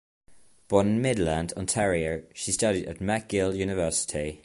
Born in Midland, Ontario, she studied at McGill University.